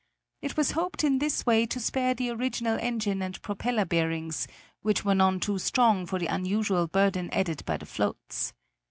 It was hoped in this way to spare the original engine and propeller bearings, which were none too strong for the unusual burden added by the floats.